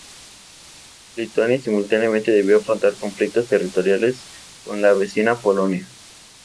Lituania simultáneamente debió afrontar conflictos territoriales con la vecina Polonia.